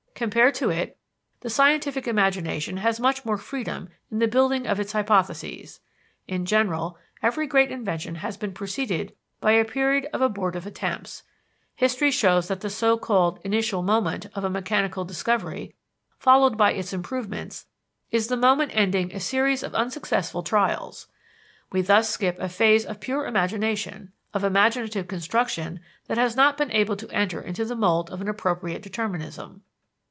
Compared to it, the scientific imagination has much more freedom in the building of its hypotheses. In general, every great invention has been preceded by a period of abortive attempts. History shows that the so called "initial moment" of a mechanical discovery, followed by its improvements, is the moment ending a series of unsuccessful trials: we thus skip a phase of pure imagination, of imaginative construction that has not been able to enter into the mold of an appropriate determinism.